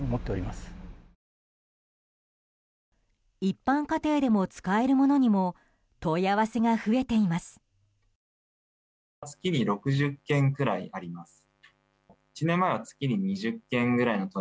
一般家庭でも使えるものにも問い合わせが増えています。